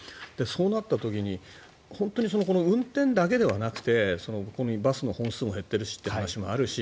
そうなった時に本当に運転だけではなくてバスの本数も減ってるしという話もあるし